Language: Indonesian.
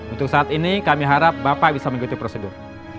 untuk saat ini kami harap bapak bisa mengikuti prosedur